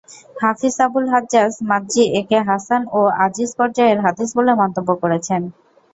হাফিজ Abul Hajjaj Mizzi একে হাসান ও আযীয পর্যায়ের হাদীস বলে মন্তব্য করেছেন।